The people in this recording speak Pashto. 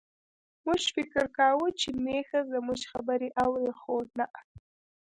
موږ فکر کاوه چې میښه زموږ خبرې اوري، خو نه.